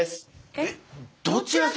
えっどちら様？